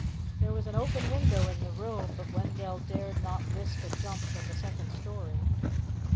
There was an open window in the room, but Wendell dared not risk a jump from the second story.